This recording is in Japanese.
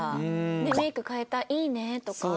「メイク変えた？いいね」とか。